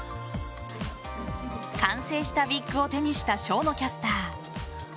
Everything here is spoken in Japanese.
完成したウィッグを手にした生野キャスター。